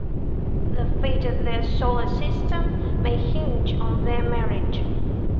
The fate of their solar system may hinge on their marriage.